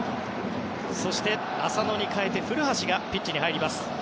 そして、浅野に代えて古橋がピッチに入ります。